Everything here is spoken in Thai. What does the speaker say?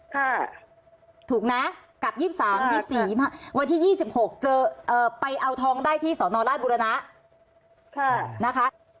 ค่ะถูกนะกลับ๒๓๒๔วันที่๒๖ไปเอาทองได้ที่สอนราชบุรณะค่ะนะคะ